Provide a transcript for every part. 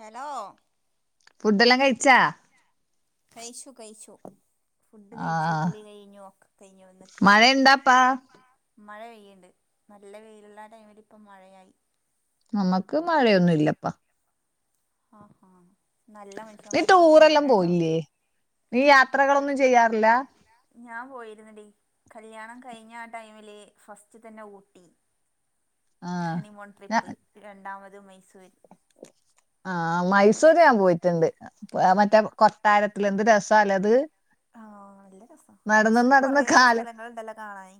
Hello food എല്ലാം കഴിച്ചാ? കഴശു കൈചു ഫുഡ് കഴിച്ചു കുളി കഴിഞ്ഞ്ഞു, ഒക്കെ കഴിഞ്ഞു വന്ന് കിടന്നു മഴ പെയ്യണ്ട് നല്ല വെയിലുള്ള ആ ടൈമിലിപ്പം മഴയായി നമ്മുക്ക് മഴയൊന്നുല്ലപ്പ ആഹ് ആഹ് നീ ടൂറെല്ലാം പോയില്ലേ? നീ യാത്രകളൊന്നും ചെയ്യാറില്ല? ഞാൻ പോയിരുന്നടീ, കല്യാണം കഴിഞ്ഞ ആ ടൈമില് ഫസ്റ്റ് തന്നെ ഊട്ടി ഹണിമോൺ ട്രിപ്പ് രണ്ടാമത് മൈസൂർ ആഹ് മൈസൂര് ഞാൻ പോയിട്ടുണ്ട് മറ്റേ കൊട്ടാരത്ത്തിൽ, എന്ത് രസാലെ അത് ആഹ്, നല്ല രസ മൈസൂര് കൊറെ സ്ഥലങ്ങളുണ്ടല്ലോ കാണാന്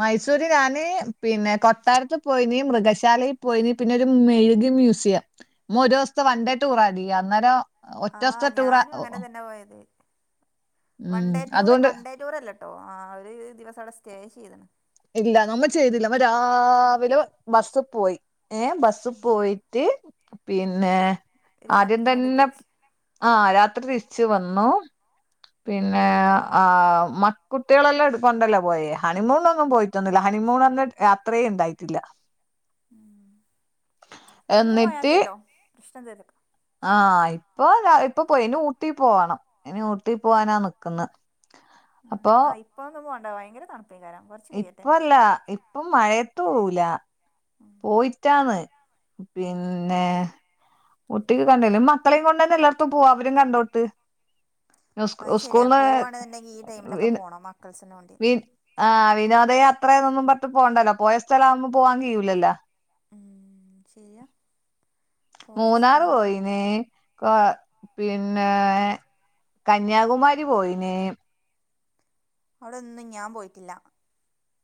മൈസൂര് ഞാന് പിന്നെ കൊട്ടാരത്ത് പോയീനി മൃഗശാലെൽ പോയിന് പിന്നെ ഒരു മെഴുകി മ്യൂസിയം, നമ്മ ഒരു ദിവസത്തെ വൺ ഡേ ടൂർ അധിക, അന്നേരം ഒറ്റസ്ത്ത ടൂറാ ഓ ആ ണ്ട പോയതെ one day tour, one day tour അല്ലട്ടോ ആ ഒരു ദിവസം അവിടെ സ്റ്റേ ചെയ്ത്ണ് ഇല്ല നമ്മൾ ചെയ്തില്ല രാവിലെ ബസ്സ് പോയി ഏഹ് ബസ്സ് പോയിട്ട് പിന്നെ ആദ്യം തന്നെ ആ രാത്രി തിരിച്ചു വന്നു പിന്നെ ആഹ് മക്കുട്ടികളെല്ലാം എടു കൊണ്ടല്ലോ പോയേ, ഹണിമൂണി നൊ ന്നും പോയിട്ടൊന്നുമില്ല ഹണിമൂണന്ന് അത്രയും ണ്ടായിട്ടില്ല. ഉം ഇനി പോയാൽ മതിയല്ലോ, പ്രശ്നം തീർക്കാം. ആഹ് ഇപ്പൊ, ഇപ്പൊ പോയി ഇനി ഊട്ടി പോകണം ഇനി ഊട്ടി പോവാനാ നിക്ക്ന്ന ഉം ആ ഇപ്പൊന്നും പോണ്ട ഭയങ്കര തണുപൈകാരം കൊറ ഇപ്പല്ല ഇപ്പം മഴത്ത്പോവുല പോയിട്ടാണ് പിന്നെ ഊട്ടിക്കൊ കണ്ടില്ല, മക്കളീം കൊണ്ടന്നെ എല്ലാട്ത്തും പോവ അവരും കണ്ടോട്ട് അയ് ശരിയാ പോവാണെന്ന് ണ്ടെങ്കി ഈടൈമിലൊക്കെ പോണം മക്കൾ സിനെ കൊണ്ട് വി ആഹ് വിനോദയാത്ര, ഒന്നും പറഞ്ഞിട്ട് പോണ്ടല്ലോ, പോയ സ്ഥലകുമ്പോ പോവാൻ കയ്യൂലല്ലോ? ഉം ശരിയാ മൂന്നാർ പോയിനീ കൊ, പിന്നേ കന്യാകുമാരി പോയിന് അവിടെന്നും ഞാൻ പോയിട്ടില്ല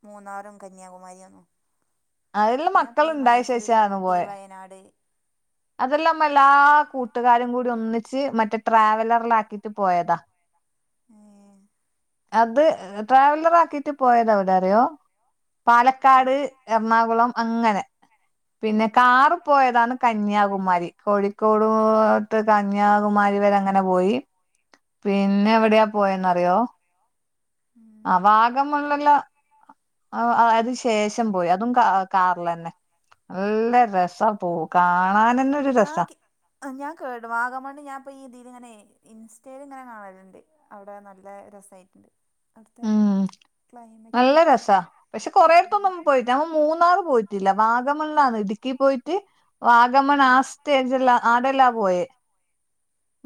മൂന്നാറും കന്യാകുമാരിന്നും. ഞാൻപ്പോ ഈ മൈസൂര് ഊട്ടി വയനാട് അതെല്ലാം മ്മ എല്ലാ കൂട്ടുകാരും കൂടി ഒന്നിച്ച് മറ്റേ ട്രാവലറിലാക്കിട്ട് പോയതാ ഏഹ് അത് ട്രാവലറ ആക്കിട്ട് പോയത് എവിടെറിയോ? പാലക്കാട് എറണാകുളം അങ്ങനെ, പിന്നെ കാറ് പോയതാണ് ക കന്യാകുമാരി കോഴിക്കോട് കന്യാകുമാരി വരെങ്ങനെ പോയി പിന്നെ എവിടെയാ പോയെന്നറിയോ? ആഹ് വാഗമണ്ണില് ആഹ് അയ്ത് ശേഷം പോയി അതും കാ കാറില്ലന്നെ നല്ല രസം പോ കാണാന് ഞാക്കി ഞാൻ കേടുവാകമണ്ണ് ഞാൻപ്പോ ഇങ്ങനെ ഇതിൽങ്ങനെ ഇൻസ്റ്റയിൽ ങ്ങനെ കാണല്ണ്ട് അവിടെ നല്ല രസയിട്ടുണ്ട് ഉം നല്ല രസാ പക്ഷെ കൊറെയിടത്തൊ ഒന്നും പോയി ഞാൻ മൂന്നാർ പോയിട്ടില്ല വാഗമൺ ലാന്ന് ഇടുക്കി പോയിട്ട് വാഗമൺ ആസ് ത്യേകിച്ചല്ല ആടെല്ലാ പോയ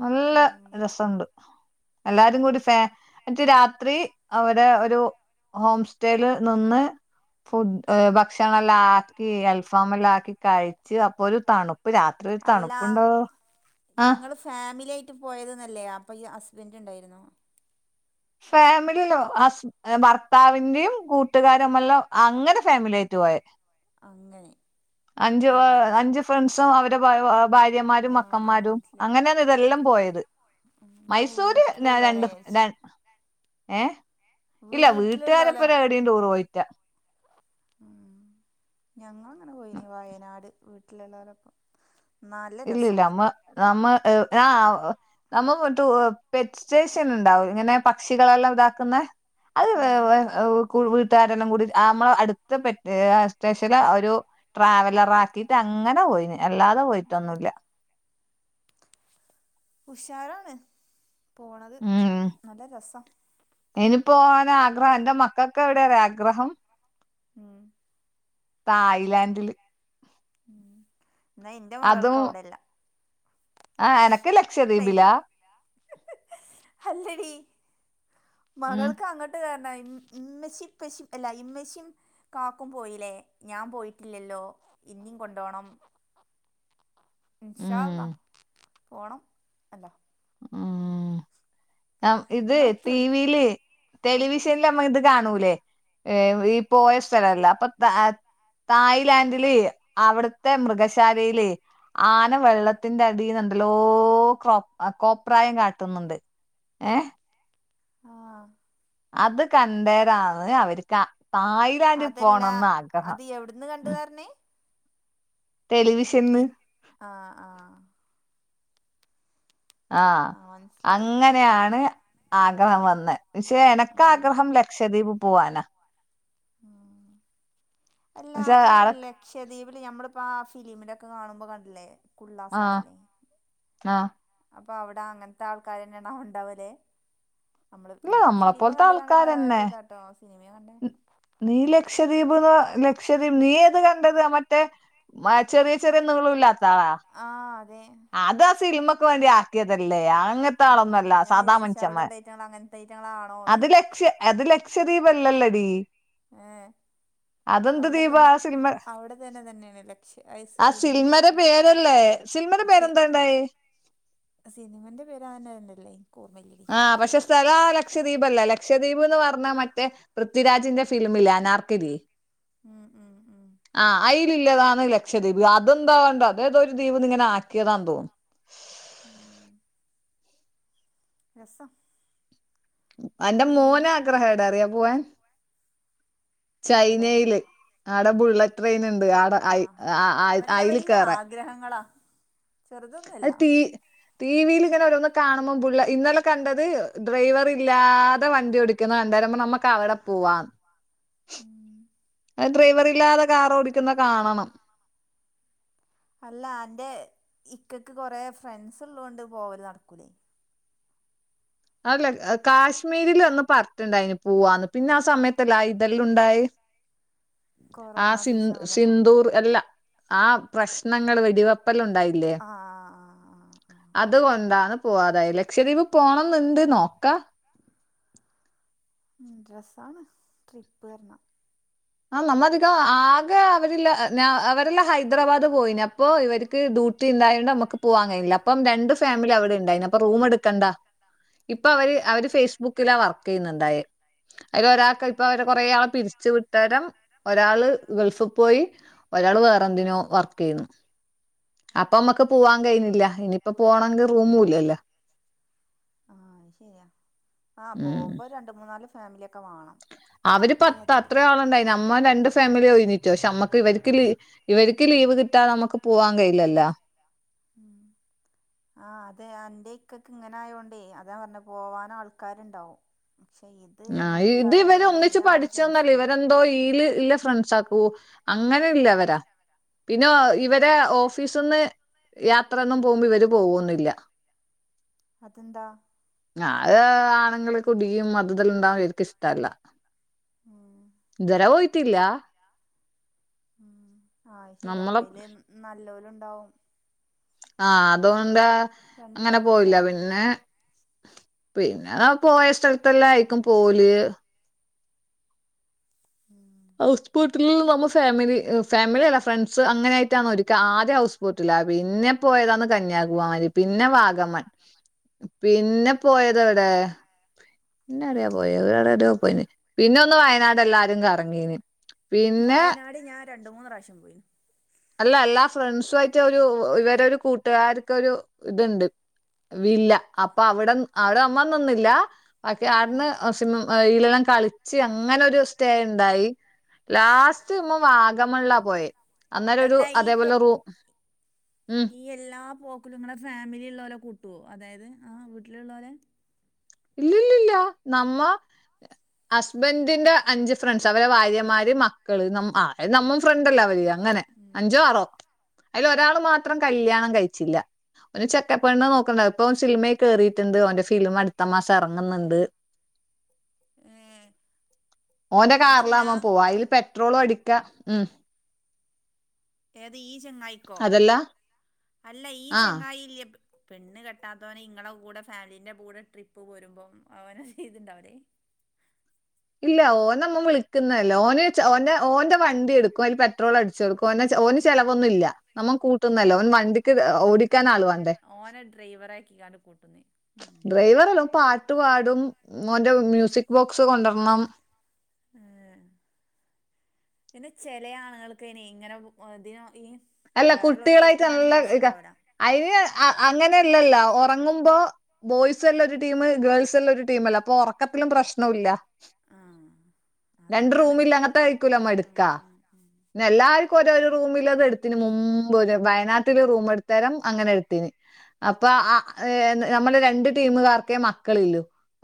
നല്ല രസുണ്ട് എല്ലാരും കൂടി ഫേന്നിട്ട്രാത്രി അവരെ ഒരു ഹോം സ്റ്റേൽ നിന്ന് ഫുഡ് ഹ് ഭക്ഷണംലാക്കി അൽഫാം എല്ലാം ആക്കി കഴിച്ച് അപ്പൊ ഒരു തണുപ്പ് രാത്രി ഒരു തണു ഉണ്ടോ ആഹ് ഫാമിലിയായിട്ട് പോയതെന്നല്ലെ അപ്പോ ഈ ഹസ്ബൻഡ് ണ്ടായിരുന്നോ? ഫാമിലിയിലോ ഹസ് ഭർത്താവിന്റെയും കൂട്ടുകാരും എല്ലംഅങ്ങനെ ഫാമിലി ആായിട്ട് പോയ അങ്ങനെ അഞ്ച് അഞ്ച്ഫ്രണ്ട്സും അവരെ ഭാര്യവാ ഭാര്യമാരും മക്കന്മാരും അങ്ങനെയാണ് ഇതെല്ലാം പോയത്. മൈസൂര് ഞാൻരണ്ട് ര ഏഹ് ഇല്ല വീട്ടുകാരെപ്പ എവിടെ ടൂറ് പോയിട്ടില്ല. ഞങ്ങളിങ്ങനെ പോയിനി വയനാട്. വീട്ടിലുള്ളവരൊപ്പം. ഇല്ലില്ല അമ്മ അമ്മ എഹ് ആഹ് നമ്മ മറ്റ പേപ്സെറ്റിഇണ്ടാവും ഇങ്ങനെ പക്ഷികളെല്ലാം ഇതാക്കുന്ന. അഹ് വെ വെ ഓഹ് കു വീട്ടാരെല്ലാം കൂടി നമ്മള അടുത്ത പറ്റ സ്റ്റേഷൽലാ ഒരു. ട്രാവലറാക്കിട്ട് അങ്ങനെ പോയിനി. അല്ലാതെ പോയിട്ടൊന്നുല്ല. ഉഷാരാണ് പോണത് നല്ല രസം അയ്നിപ്പോ വാനാഗ്രഹം എന്റെ മക്കൾക്കെവിടെ ആഗ്രഹം. ഉം. തായ്ലാൻഡില്. എന്നാ ഇന്റെ മകൾക്ക് അവ്ടെല്ല. ആഹ്, എനക്ക് ലക്ഷ്യതീപില. അല്ലടി മകൾക്ക് അങ്ങട്ട്. ട്ട് തെന്നെ ഇമ് ഇമ്മച്ചി ഇപ്പശിം എല്ലാ ഇമ്മശിം കാക്കും പോയില്ലേ. ഞാൻ പോയിട്ടില്ലല്ലോ ഇന്നിം കൊണ്ടോണം. ഇൻഷാ അള്ളാ പോണം അല്ല. ഉം. അഹ് ഇത് ടിവില് ടെലിവിഷ് റ്റെൻല് അമ്മഹ് ഇത് കാണൂലേ ഈ പോയ സ്ഥലല്ല അപ്പൊ താ തായ്ലാൻഡില് അവിടുത്തെ മൃഗശാലയില്. ആന വെള്ളത്തിന്റെ അടീന്നന്തെല്ലോ ക്രോപ് കോപ്രായം കാട്ടുന്നുണ്ട്. ഏഹ് ആഹ് അത് കണ്ടേരാണ് അവര്ക്ക തായ് അതല്ലാ അത് എവിട്ന്ന് കണ്ടുന്നാർഞ് ടെലവിഷ് ട്ടി ആഹ് ആഹ് ആഹ്, അങ്ങനെയാണ്. ആഗ്രഹം വന്ന ക്ഷെ എനക്ക് ആഗ്രഹം ലക്ഷദ്വീപ് പോവാനാ. ഉം. അല്ല ഈ ല്ല ലക്ഷദീപില് ഞമ്മളിപ്പോ ആ ഫിലിമിലൊക്കെ കാണുമ്പോ കണ്ടില്ലേ കുള്ളാസാളല്ലേ? ആഹ് അപ്പൊ അവിടെ അങ്ങൻത്തെ ആൾക്കാറെന്നാവാ ഉണ്ടാവല്ലേ? നമ്മള് ഞാ ഫിലിമ കണ്ട്കാണ്ടുള്ള ഒരു ഇതാട്ടോ സിനിമയേ കണ്ടേ. നീ ലക്ഷദ്വീപ്ന്ന് ലക്ഷദ്വീപ് നീ ഏത് കണ്ടത് മറ്റേ? മ ചെറിയ ചെറിയ നീളല്ലാത്തണാ? ആഹ് അതെ. അതാ സിനിമക്ക് വേണ്ടി ആക്കിയതല്ലേ? അങ്ങനത്തെ ആളൊന്നുംല്ല. സാദാ മനിശ്യമ്മരാ അത് ലക്ഷ്യ. അത് ലക്ഷദീപല്ലല്ലടീ. ഏഹ് അവിടെ തന്നെ അവിടെ തന്നെ തന്നെയാണ് ലക്ഷ്യ ഐശ് ഫിലിമിന്റെ പേര ക്ഷെ സിനിമന്റെ പേര്അതെന്നല്ലേ ഇനിക്ക് ഓർമ്മല്യ. ആഹ്, പക്ഷെ സ്ഥലം ആ ലക്ഷദ്വീബല്ലേ ലക്ഷദ്വീപ് എന്ന് പറഞ്ഞാ മറ്റേ പൃഥ്വിരാജിന്റെ? ഫിലിമില്ലെ അനാർക്കലി. ഉം. ഉം. ആഹ് അയിലല്ലതാണ് ലക്ഷദ്വീപ് അതെന്താ അതേതൊ ഒരു തീബിന്ന് ആക്കിയതാന്ന് തോന്നും. രസം. അന്റെ മോന ആഗ്രഹ എടാ അറിയാ പോവാൻ ചൈനയില്. ആയിടെ ബുള്ളറ്റ് ട്രെയിൻ ഉണ്ട് ആവിടെ അയിൽ കയറാൻ. ഗ്രഹങ്ങളാ അതീ ടി വിയിൽ ങ്ങനെ ഓരോന്ന് കാണുമ്പോ ബുള്ള ഇന്നലെ കണ്ടത് ഡ്രൈവർ ഇല്ലാതെ വണ്ടി ഓടി ക്കുന്ന കണ്ടേരം പ്പം നമുക്ക് അവടെ പോവാന്ന്. അത് ഡ്രൈവർല്ലാതെ കാർ ഓടിക്കുന്ന കാണണം അല്ല അന്റെ ഇക്കക്ക് കൊറേ ഫ്രണ്ട്സ് ഉള്ളോണ്ട് പോവൽ നടക്കൂലേ.? അല്ല കാശ്മീരിൽ ഒന്ന് പർഞ്ഞിട്ടുണ്ടായിന് പോവാന്ന് പിന്നെ ആ സമയത്തല്ല യുതെല്ലാം ഉണ്ടയേ ആ സി സിന്ദൂർ അല്ല. ആ പ്രശ്നങ്ങൾ വെടിവപ്പല ഉണ്ടായില്ലേ? അതുകൊണ്ടാണ് പോവാതായി. ലക്ഷദ്വീപ് പോണന്നുണ്ട് നോക്കാ. [unintelligible] രരസ്സാണ് ട്രിപ്പ് ന്ന്റഞ്ഞ ആ നമ്മൾ അധികം ആകെ അവരില്ല അവരെല്ലാം ഹൈദരാബാദ് പോയിന് അപ്പൊ ഇവര്ക്ക് കു ഉണ്ടായത് കൊണ്ട് നമക്ക് പോവാൻ കഴില്ല അപ്പം രണ്ട് ഫാമിലി അവിടെ ഉണ്ടായിനി അപ്പ റൂം എടുക്കണ്ട. ഇപ്പൊ അവര് അവര് ഫേസ്ബുക്കിലാ വർക്ക് ചെയ്യുന്നുണ്ടായേ അയിൽഒരാക്ക് ഇപ്പൊ അവരെ കൊറെ ആള് പിരിച്ചു വിട്ടേരം ഒരാള് ഗൾഫി പോയി. ഒരാൾ വേറെന്തിനോ വർക്ക് ചെയ്യുന്നു അപ്പൊ അമ്മക്ക് പോവാൻ കഴിന്നില്ല ഇനിയിപ്പ പോകണങ്കി റൂമ ഇല്ലല്ലോ ആ ശരിയാ ആഹ് പോകുമ്പോ രണ്ട് മൂന്നാല് ഫാമിലിയൊക്കെ വേണം അവര് പത്ത അത്ര ആളുണ്ടായിനി. അമ്മ രണ്ട് ഫാമിലോയിനിട്ടോ പക്ഷെ നമ്മക് ഇവർക്ക്ള്ള ഇവര്ക്ക് ലീവ് കിട്ടാതെ നമ്മ്ക്ക് പോവാൻ കഴയില്ലല്ലോ ഉം ആഹ് അതെ. അന്റെ ഇക്കക്ക് ഇങ്ങനെ ആയോണ്ടേ അതാ പറഞ്ഞ പോവാനാൾക്കാരുണ്ടാവും ക്ഷേയി ആഹ ഇത് ഇവര് ഒന്നിച്ച് പഠിച്ചൊന്നല്ലേ ഇവരെന്തോ ഈല് ഇല്ല ഫ്രൻസ് [unintelligible] അങ്ങനല്ലരാ പിന്നെ ഇവരെ ഓഫീസ്ന്ന് യാത്രൊന്നും പോകുമ്പോ ഇവര് പോവൊന്നുല്ല അതെന്താ ഞാ അത് ആണുങ്ങള് കുടിയും [unintelligible] എൻക്ക് ഇഷ്ടല്ല ഇതുവരെ പോയ്ട്ടില്ല ഉം ആ അത് ശരിയാ അയില് നല്ലോലുണ്ടാവും ആഹ് അതൊണ്ട് അങ്ങനെ പോയില്ല പിന്നെ പിന്നെ പോയ സ്ഥലത്തെല്ലാം ആയിക്കും പോവല് ഉം ഹൗസ് ബോട്ടിൽ നമ്മൾ ഫാമിലി ഫാമിലി അല്ല ഫ്രണ്ട്സ് അങ്ങനെ ആയിട്ടാണോ ഇരിക്ക ആദ്യം ഹൗസ് പിന്നെ പോയതാണ് കന്യാകുമാരി പിന്നെ വാഗമൺ പിന്നെ പോയതെവിടെ പിന്നെ എവിടെയാ പോയേ [unintelligible] പോയിന് പിന്നെ ഒന്ന് വയനാട് എല്ലാരും ക വയനാട് ഞാൻ രണ്ട് മൂന്ന് പ്രാവശ്യം പോയി അല്ല എല്ലാ ഫ്രണ്ട്സും ആയിട്ട് ഒരു ഇവരെ ഒരു കൂട്ടുകാർക്കൊരു ഇതുണ്ട് വില്ല അപ്പൊ അവിടെ അവിടെ അമ്മ നിന്നില്ല ആക്കെ ചേട്ടന് [unintelligible] കളിച്ച് അങ്ങനെ ഒരു സ്റ്റേ ഇണ്ടായി ലാസ്റ്റ് ഇമ്മ വാഗമൺലാ പോയേ അന്നേരം ഒരു അതേപോലെ റൂ ഉം എല്ലാ പോക്കിലും നിങ്ങളുടെ ഫാമിലി ഉള്ളവലെ കൂട്ടുവോ അതായത് ആ വീട്ടിലുള്ളവരെ ഇല്ലില്ലില്ല നമ്മ ഹസ്ബൻഡിന്റെ അഞ്ച് ഫ്രണ്ട്സ് അവരെ ഭാര്യമാര് മക്കള് ന അത് നമ്മ ഫ്രണ്ട്ല്ലേ അവര് അങ്ങനെ അഞ്ചോ ആറോ അയില് ഒരാള് മാത്രം കല്യാണം കഴിച്ചില്ല ഒരു ചെക്കപെണ്ണ് നോക്കണ്ട ഇപ്പൊ സിനിമേ കേറിട്ടുണ്ട് അവന്റെ ഫിലിംട തമാസം ഇറങ്ങുന്നുണ്ട് ഓന്റെ കാറിലാ [unintelligible] പോവാ അതില് പെട്രോളും അടിക്ക ഉം ഏതാ ഈ ചെങ്ങായിക്കോ അല്ല ഈ ചെങ്ങായിലെ പെണ്ണ് കെട്ടാത്തവനെ ഇങ്ങടെ ഫാമിലിന്റെ കൂടെ ട്രിപ്പ് പോരുമ്പോ അവന് ഇതിണ്ടാവില്ലേ ഇല്ല ഓനമ്മ വിളിക്കുന്നതല്ല ഓന് ച ഓന്റെ ഓന്റെ വണ്ടി എടുക്കും അതില് പെട്രോൾ അടിച്ചെടുക്കും ഓന ഓന് ചിലൊവൊന്നും ഇല്ല നമ്മ കൂട്ടുന്നല്ലോ ഓൻ വണ്ടിക്ക് ഓടിക്കാൻ ആളുവേണ്ടെ ഡ്രൈവറാക്കികാണ്ട് കൂട്ടുന്നെ പാട്ട് പാടും മോന്റെ മ്യൂസിക് ബോക്സ് കൊണ്ടുരണം പിന്നെ ചെല ആണുങ്ങൾക്ക് നെ ഇങ്ങനെ ഓതിനോ ഈ വേറൊള്ളോര് കെട്ടിയാനാണെങ്കിൽ പ്രശ്നണ്ടാവില്ല അയിന് ആ അങ്ങനെല്ലല്ലോ ഉറങ്ങുമ്പോ ബോയ്സെല്ലാം ഒരു ടീംമ് ഗേൾസെല്ലാം ഒരു ടീമല്ലേ അപ്പൊ ഉറക്കത്തിലും പ്രശ്നല്ല രണ്ട് റൂമില അങ്ങനത്തെ ആയിരിക്കൂല അമ്മ എടുക്കാ പിന്നെ എല്ലാർക്കും ഓരോരോ റൂമിൽ അത് എടു ഇതിന് മുമ്പ് ഒരു വയനാട്ടില് റൂം എടുത്തരം അങ്ങനെ എടുത്തിന് അപ്പൊ ആ എ നമ്മള് രണ്ട് ടീമുകാർക്കേ മക്കളില്ല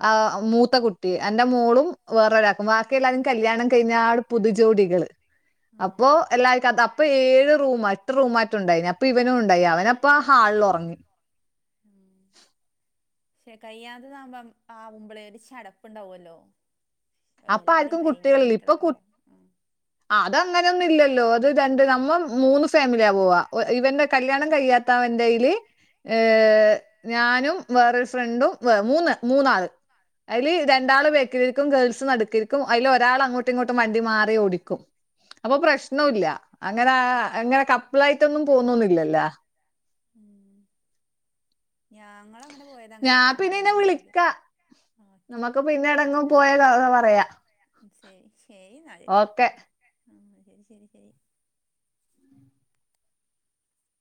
ആ മൂത്ത കുട്ടി എന്റെ മോളും വേറൊരാക്കും വാ എല്ലാരും കല്യാണം കഴിഞ്ഞാ പുതുജോടികള് അപ്പോ എല്ലാവക്കും അത് അപ്പൊ ഏഴ് റൂംമാ എട്ട് റൂംമായിട്ട്ണ്ടായി അപ്പൊ ഇവനു ഉണ്ടായി അവനപ്പ ഹാളിൽ ഉറങ്ങി [unintelligible] ആവുമ്പളെ ഒരു ചടപ്പുണ്ടാവുല്ലോ എല്ലാരും [unintelligible] കൂട്ടിയോളക്കാവുംപ [inaudible] ആ അത് അങ്ങനൊന്നുല്ലല്ലോ അത് രണ്ട് നമ്മ മൂന്ന് ഫാമിലിയാ പോവാ ഇവന്റെ കല്യാണം കഴിയാ ത്ത അവൻ്റയ്യില് ഏഹ് ഞാനും വേറൊരു ഫ്രണ്ടും വ മൂന്ന് മൂന്നാള് അതില് രണ് രണ്ടാള് വെക്കിരിക്കും ഗേൾസ് നടുക്കിരിക്കും അയില് ഒരാൾ അങ്ങോട്ടും ഇങ്ങോട്ടും വണ്ടി മാറിയോടിക്കും അപ്പൊ പ്രശ്നോല്ല അങ്ങനെ അങ്ങനെ കപ്പിളായിട്ടൊന്നും പോവുന്നൊന്നുല്ലല്ലോ ഉം ഞങ്ങളങ്ങനെ ഞാ പിന്നെന്നെ വിളിക്കാ നമ്മക്ക് പിന്നെ എടങ്ങും പോയ കഥ പറയാ ശെരി ശെരി ന്നാല് ആഹ് ശരി ശരി ശരി